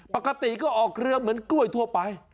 ปกติก็ออกเรือเหมือนกล้วยทั่วไป